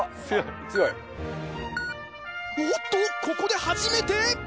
ここで初めて。